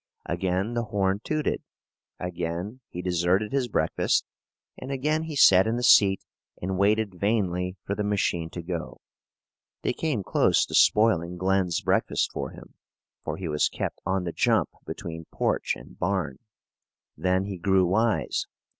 Again the horn tooted, again he deserted his breakfast, and again he sat in the seat and waited vainly for the machine to go. They came close to spoiling Glen's breakfast for him, for he was kept on the jump between porch and barn. Then he grew wise.